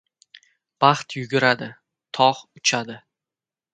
• Baxt yuguradi, tog‘ uchadi.